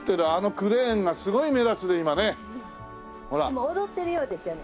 でも踊ってるようですよね。